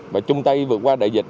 và chung tay vượt qua đại dịch